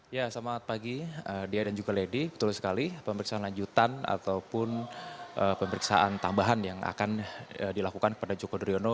ya selamat pagi dia dan juga lady betul sekali pemeriksaan lanjutan ataupun pemeriksaan tambahan yang akan dilakukan kepada joko driono